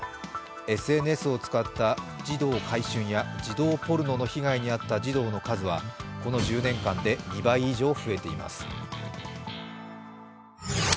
ＳＮＳを使った児童買春や児童ポルノの被害に遭った児童の数はこの１０年間で２倍以上増えています。